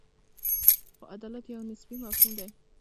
خو عدالت یو نسبي مفهوم دی.